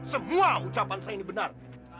semua ucapan saya ini benar